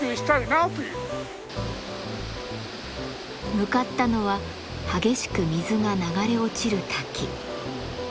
向かったのは激しく水が流れ落ちる滝。